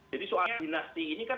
jadi soalnya dinasti ini kan